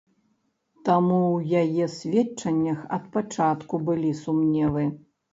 Таму ў яе сведчаннях ад пачатку былі сумневы.